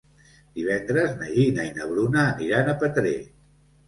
Divendres na Gina i na Bruna aniran a Petrer.